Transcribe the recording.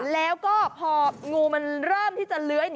แล้วก็พองูมันเริ่มที่จะเลื้อย